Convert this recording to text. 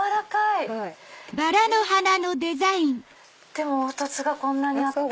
でも凹凸がこんなにあって。